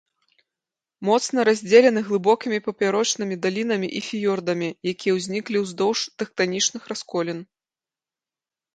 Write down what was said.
Моцна раздзелены глыбокімі папярочнымі далінамі і фіёрдамі, якія ўзніклі ўздоўж тэктанічных расколін.